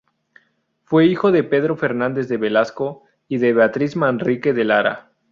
Fue hijo de Pedro Fernández de Velasco y de Beatriz Manrique de Lara.